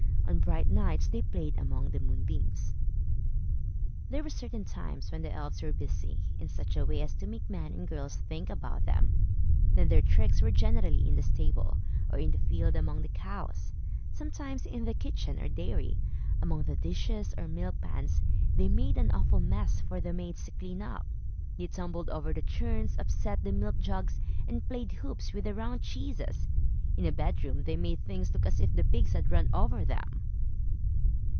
On bright nights they played among the moonbeams. There were certain times when the elves were busy, in such a way as to make men and girls think about them. Then their tricks were generally in the stable, or in the field among the cows. Sometimes, in the kitchen or dairy, among the dishes or milk pans, they made an awful mess for the maids to clean up. They tumbled over the churns, upset the milk jugs, and played hoops with the round cheeses. In a bedroom they made things look as if the pigs had run over them.